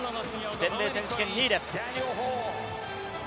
全米選手権２位です。